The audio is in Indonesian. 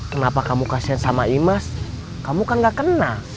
kenapa kamu kasihan sama imas kamu kan gak kenal